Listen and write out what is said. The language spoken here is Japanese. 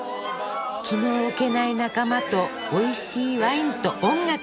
気の置けない仲間とおいしいワインと音楽。